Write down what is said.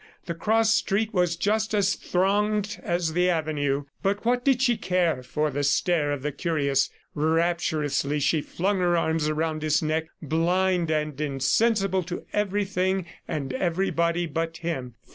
The cross street was just as thronged as the avenue. But what did she care for the stare of the curious! Rapturously she flung her arms around his neck, blind and insensible to everything and everybody but him.